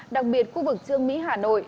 đặc biệt khu vực trương mỹ hà nội